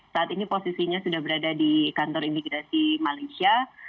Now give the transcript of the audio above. saat ini posisinya sudah berada di kantor imigrasi malaysia